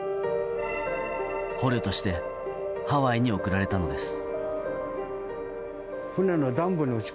捕虜としてハワイに送られたのです。